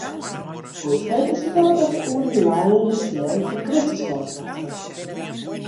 Goedfreed is de dei dat oer it lijen en stjerren fan Kristus neitocht wurdt.